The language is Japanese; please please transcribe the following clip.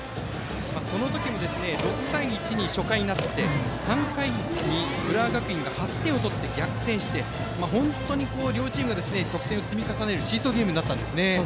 その時は６対１に初回になって３回に浦和学院が８点取って逆転して本当に両チームが得点を積み重ねるシーソーゲームになったんですね。